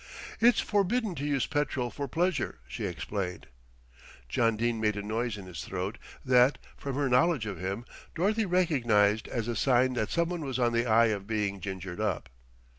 "It's forbidden to use petrol for pleasure," she explained. John Dene made a noise in his throat that, from her knowledge of him, Dorothy recognised as a sign that someone was on the eve of being gingered up.